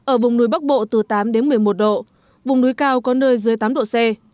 ở vùng núi bắc bộ từ tám đến một mươi một độ vùng núi cao có nơi dưới tám độ c